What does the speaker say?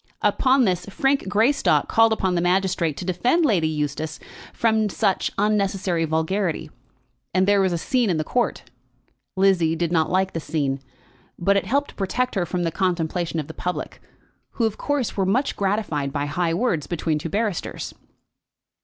Upon this, Frank Greystock called upon the magistrate to defend Lady Eustace from such unnecessary vulgarity, and there was a scene in the court. Lizzie did not like the scene, but it helped to protect her from the contemplation of the public, who of course were much gratified by high words between two barristers.